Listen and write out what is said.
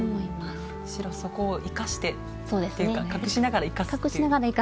むしろそこを生かしてというか隠しながら生かすっていう。